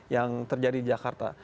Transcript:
yang terjadi di jakarta